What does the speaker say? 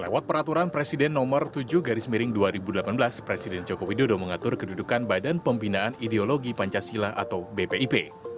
lewat peraturan presiden nomor tujuh garis miring dua ribu delapan belas presiden joko widodo mengatur kedudukan badan pembinaan ideologi pancasila atau bpip